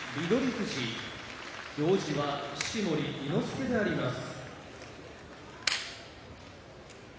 富士行司は式守伊之助であります。